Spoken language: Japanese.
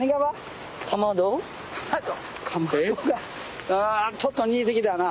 うわちょっと似てきたな。